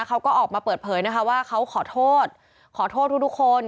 เขาก็ออกมาเปิดเผยนะคะว่าเขาขอโทษขอโทษทุกคน